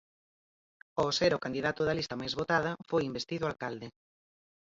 Ao ser o candidato da lista máis votada, foi investido alcalde.